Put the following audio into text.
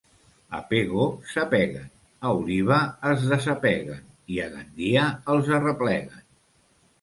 A Pego s'apeguen, a Oliva es desapeguen i a Gandia els arrepleguen.